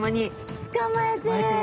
捕まえてる。